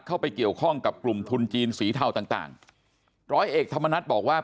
เข้าไปเกี่ยวข้องกับกลุ่มทุนจีนสีเทาต่างต่างร้อยเอกธรรมนัฏบอกว่า